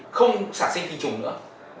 không sản sinh tinh trùng nữa